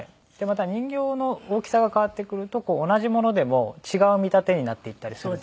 また人形の大きさが変わってくると同じものでも違う見立てになっていったりするので。